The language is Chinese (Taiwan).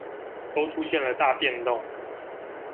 都出現了大變動